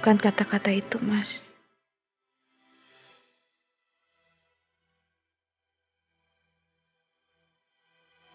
dan tujuan kita dapat seperti ini